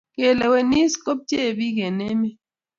Kalewenisiet ko pcheei pik eng emet